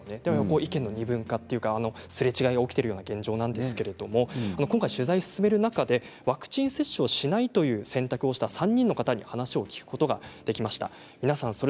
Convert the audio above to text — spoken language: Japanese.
意見の二分化というかすれ違いが起きているのが現状なんですが今回取材を進める中でワクチン接種をしないという選択をした３人の方に話を聞くことができました。